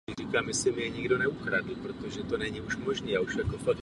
Jezdí sem městská hromadná doprava z autobusového nástupiště v Považské Bystrici.